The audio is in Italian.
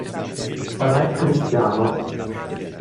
Re Cristiano".